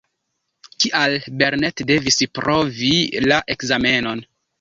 Kial Belnett devis provi la ekzamenon?